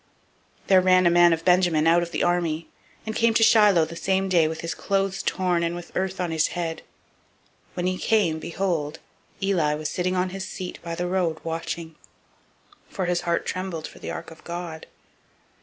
004:012 There ran a man of Benjamin out of the army, and came to Shiloh the same day, with his clothes torn, and with earth on his head. 004:013 When he came, behold, Eli was sitting on his seat by the road watching; for his heart trembled for the ark of God.